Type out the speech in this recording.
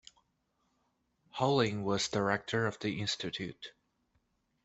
Holling was director of the Institute.